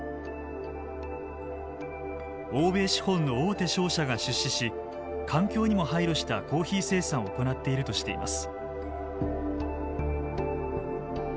欧米資本の大手商社が出資し環境にも配慮したコーヒー生産を行っているとしています。